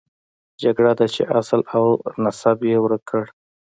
جګړه ده چې اصل او نسب یې ورک کړ.